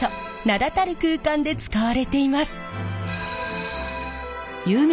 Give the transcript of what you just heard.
名だたる空間で使われています。